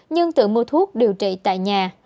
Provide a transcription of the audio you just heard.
nhưng tự mua thuốc điều trị tại nhà